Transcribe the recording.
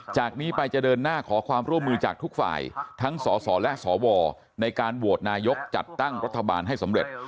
จากนี้ไปจะเดินหน้าขอความร่วมมือจากทุกฝ่ายทั้งสสและสวในการโหวตนายกจัดตั้งรัฐบาลให้สำเร็จ